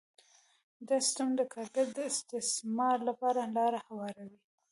دا سیستم د کارګر د استثمار لپاره لاره هواروي